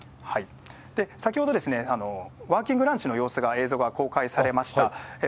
先ほど、ワーキングランチの映像が公開されました。